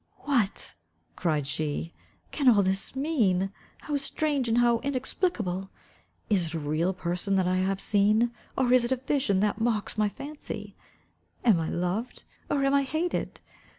"What" cried she, "can all this mean? How strange, and how inexplicable! Is it a real person that I have seen, or is it a vision that mocks my fancy? Am I loved, or am I hated?